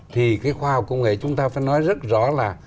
thì cái khoa học công nghệ chúng ta phải nói rất rõ là